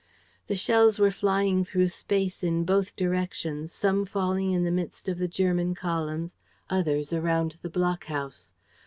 The shells were flying through space in both directions, some falling in the midst of the German columns, others around the blockhouse.